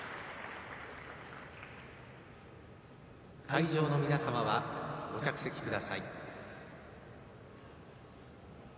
会場の皆様はご着席ください。